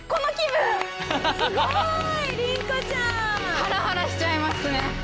ハラハラしちゃいますね。